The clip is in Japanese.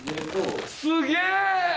すげえ！